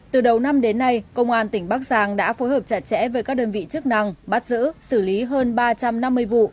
từ đầu năm đến nay công an tỉnh bắc giang đã phối hợp chặt chẽ với các đơn vị chức năng bắt giữ xử lý hơn ba trăm năm mươi vụ